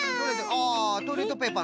あトイレットペーパーのしん？